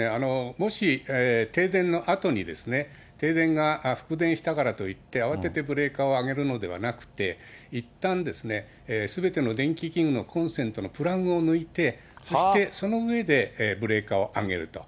もし停電のあとに停電が復電したからといって、慌ててブレーカーを上げるのではなくて、いったんすべての電気器具のコンセントのプラグを抜いて、そしてその上で、ブレーカーを上げると。